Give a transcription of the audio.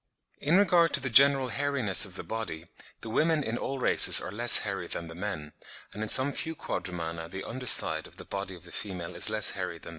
In regard to the general hairiness of the body, the women in all races are less hairy than the men; and in some few Quadrumana the under side of the body of the female is less hairy than that of the male.